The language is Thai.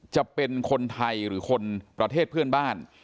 จะเป็นคนไทยหรือคนประเทศเพื่อนบ้าน